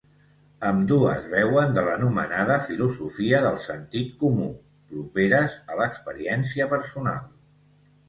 Ambdues beuen de l'anomenada filosofia del sentit comú, properes a l'experiència personal.